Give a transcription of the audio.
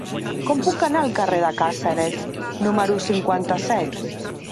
Com puc anar al carrer de Càceres número cinquanta-set?